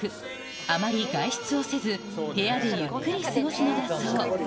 あまり外出をせず、部屋でゆっくり過ごすのだそう。